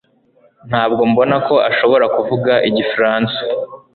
Ntabwo mbona ko ashobora kuvuga igifaransa